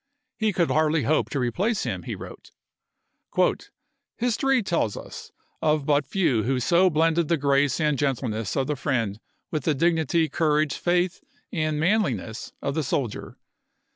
He could hardly hope meSt? to replace him, he wrote. " History tells us of but p i38 ' few who so blended the grace and gentleness of the friend with the dignity, courage, faith, and manli ness of the soldier.